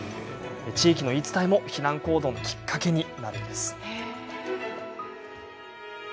地域の言い伝えも避難行動のきっかけになるんです。